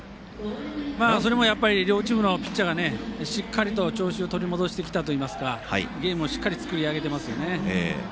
それも両チームのピッチャーがしっかりと調子を取り戻してきたといいますかゲームをしっかり作り上げてきていますね。